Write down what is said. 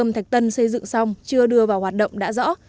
trạm bơm thạch tân xây dựng xong chưa đưa vào hoạt động đã rõ